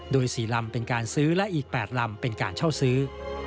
โดย๔ลำเป็นการซื้อและอีก๘ลำเป็นการเช่าซื้อ